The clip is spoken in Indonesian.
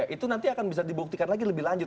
itu nanti akan bisa dibuktikan lagi lebih lanjut